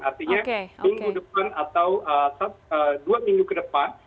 artinya minggu depan atau dua minggu ke depan